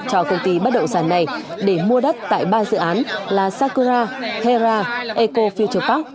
cho công ty bất động sản này để mua đất tại ba dự án là sakura hera eco futu park